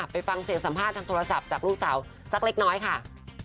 ไปฟังเสียงสัมภาษณ์ทางโทรศัพท์จากลูกสาวสักเล็กน้อยค่ะ